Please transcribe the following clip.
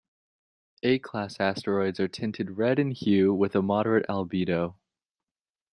A-class asteroids are tinted red in hue, with a moderate albedo.